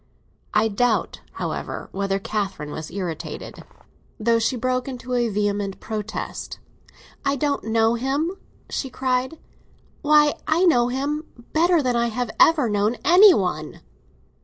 I doubt, however, whether Catherine was irritated, though she broke into a vehement protest. "I don't know him?" she cried. "Why, I know him—better than I have ever known any one!"